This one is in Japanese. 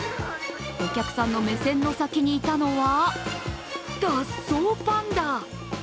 お客さんの目線の先にいたのは脱走パンダ。